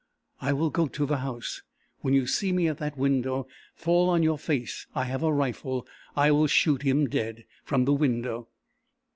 "I will go to the house. When you see me at that window, fall on your face. I have a rifle I will shoot him dead from the window...."